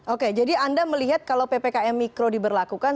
oke jadi anda melihat kalau ppkm mikro diberlakukan